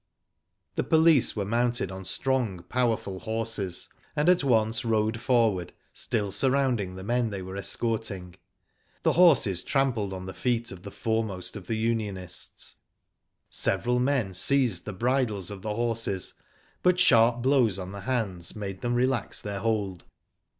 The police were mounted on strong, powerful horses, and at once rode forward, still surrounding the men they were escorting. Digitized byGoogk I20 WHO DID ITf The horses trampled on the feet of the foremost of the unionists. Several men seized the bridles of the horses, but sharp blows on the hands made them relax their hold.